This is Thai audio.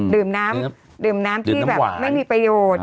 ดื่มน้ำที่แบบไม่มีประโยชน์